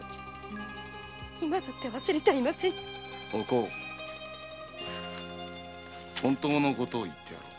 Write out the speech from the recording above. お甲本当のことを言ってやろう。